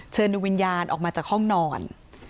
เชิญดวงวิญญาณออกมาจากห้องนอน